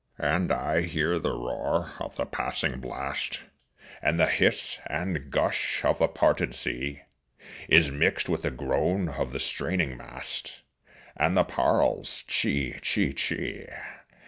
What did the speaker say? And I hear the roar of the passing blast, And the hiss and gush of the parted sea Is mixed with the groan of the straining mast, And the parrel's, che, che, che.